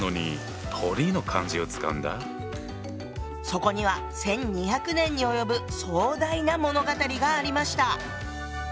そこには１，２００年に及ぶ壮大な物語がありました！